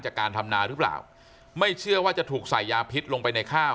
การทำนาหรือเปล่าไม่เชื่อว่าจะถูกใส่ยาพิษลงไปในข้าว